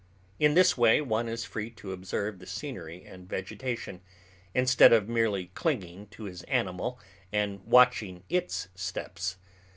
In this way one is free to observe the scenery and vegetation, instead of merely clinging to his animal and watching its steps.